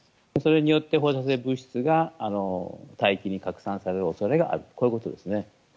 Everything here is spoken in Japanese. それによって放射性物質が大気に拡散される恐れがあるということです。